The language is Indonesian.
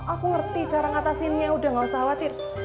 aku ngerti cara ngatasinnya udah gak usah khawatir